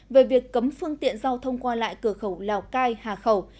về việc cấm phương tiện giao thông qua lại cửa khẩu lào cai hà khẩu